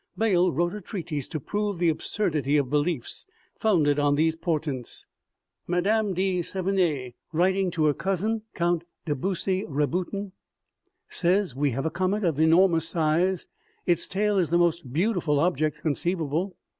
Bayle wrote a treatise to prove the absurdity of beliefs founded on these portents. Madame de Sevigne OMEGA. 151 writing to her cousin, Count de Bussy Rabutin, says :" We have a comet of enormous size ; its tail is the most beau tiful object conceivable.